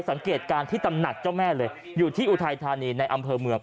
สังเกตการณ์ที่ตำหนักเจ้าแม่เลยอยู่ที่อุทัยธานีในอำเภอเมือง